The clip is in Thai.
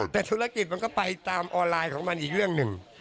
แต่ธุรกิจมันก็ไปตามออนไลน์ของมันอีกเรื่องหนึ่ง